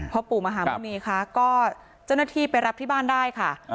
ปู่มหาหมุณีคะก็เจ้าหน้าที่ไปรับที่บ้านได้ค่ะ